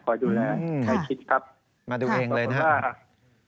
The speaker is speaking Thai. ดูแลใครคิดครับมาดูเองเลยนะครับ